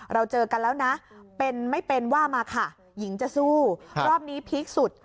เราเจอกันแล้วนะเป็นไม่เป็นว่ามาค่ะหญิงจะสู้รอบนี้พีคสุด